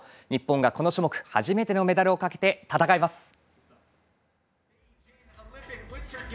日本がこの種目初めてのメダルをかけて戦います。